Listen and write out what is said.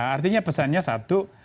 artinya pesannya satu